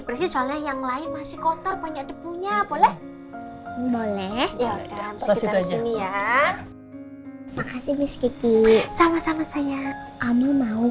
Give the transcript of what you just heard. persis oleh yang lain masih kotor banyak debunya boleh boleh ya makasih miski sama sama saya kamu